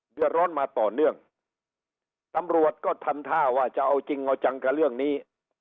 เดือดร้อนมาต่อเนื่องตำรวจก็ทำท่าว่าจะเอาจริงเอาจังกับเรื่องนี้